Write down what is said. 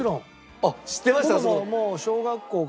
あっ知ってましたか？